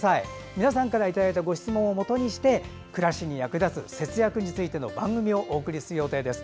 皆さんからいただいたご質問をもとにして暮らしに役立つ節約についての番組をお送りする予定です。